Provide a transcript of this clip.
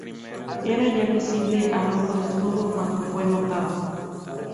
Era ya visible al ojo desnudo cuando fue notado.